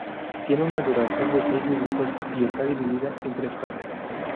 Tiene una duración de seis minutos y está dividida en tres partes.